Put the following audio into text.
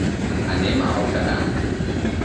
Anem a Alcanar.